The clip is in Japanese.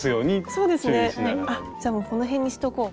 そうですねじゃあもうこの辺にしとこう。